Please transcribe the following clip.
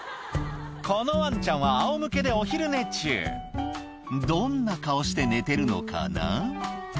このワンちゃんはあおむけでお昼寝中どんな顔して寝てるのかな？